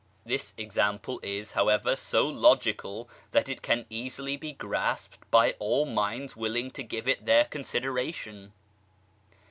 This example is however so logical, that it can easily be grasped by ail minds willing to give it their con sideration.